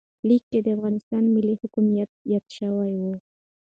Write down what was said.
لیک کې د افغانستان ملي حاکمیت یاد شوی و.